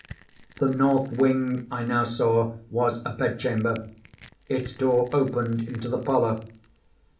The north wing, I now saw, was a bed chamber, its door opened into the parlor.